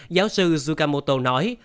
giáo sư tsukamoto nói